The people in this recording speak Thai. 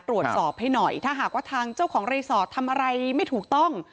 ตรวจสอบให้หน่อยถ้าหากว่าทางเจ้าของรีสอร์ททำอะไรไม่ถูกต้อง